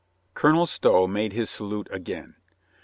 Colonel Stow made his salute again.